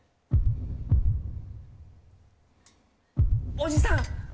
おじさん。